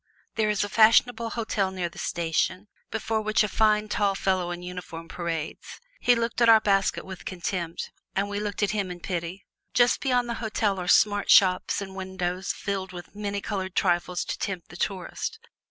There is a fashionable hotel near the station, before which a fine tall fellow in uniform parades. He looked at our basket with contempt, and we looked at him in pity. Just beyond the hotel are smart shops with windows filled with many colored trifles to tempt the tourist.